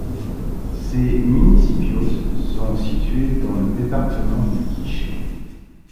Ces municipios sont situés dans le département du Quiché.